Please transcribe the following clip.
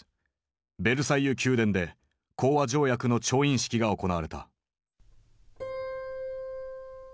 ベルサイユ宮殿で講和条約の調印式が行われた。